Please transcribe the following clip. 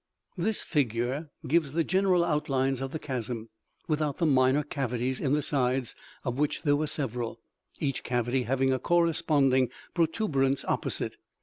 This figure [No figures in text] gives the general outlines of the chasm, without the minor cavities in the sides, of which there were several, each cavity having a corresponding protuberance opposite.